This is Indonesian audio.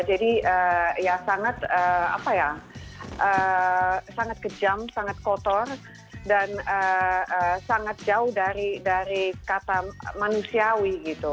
jadi ya sangat kejam sangat kotor dan sangat jauh dari kata manusiawi gitu